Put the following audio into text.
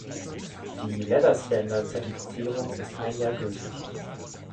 Die "Leather-Standard"-Zertifizierung ist ein Jahr gültig.